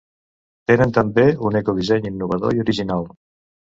Tenen també un ecodisseny innovador i original.